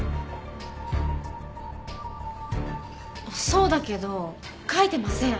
そうだけど書いてません。